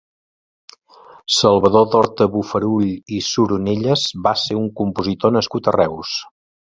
Salvador d'Horta Bofarull i Soronellas va ser un compositor nascut a Reus.